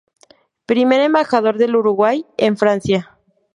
Primer Embajador del Uruguay en Francia.